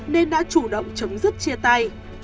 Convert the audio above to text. nên đã chủ động chấm dứt chia tay